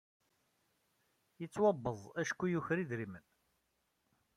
Yettwabeẓ acku yuker idrimen.